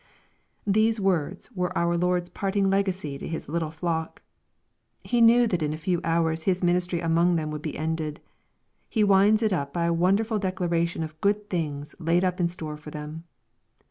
These words were our Lord's parting legacy to His little flock. He knew that in a few hours His ministry among them would be ended. He winds it up by a won derful declaration of good things laid up in store for them.